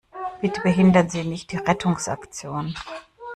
Bitte behindern Sie nicht die Rettungsaktion!